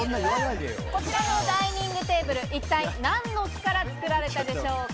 こちらのダイニングテーブル、一体、何の木から作られたでしょうか？